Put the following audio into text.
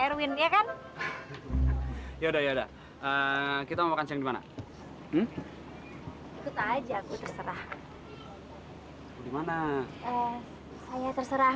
erwin ya kan ya udah ya udah kita mau makan siang dimana ikut aja aku terserah gimana eh saya terserah